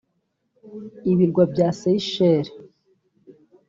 Ibirwa bya Seychelles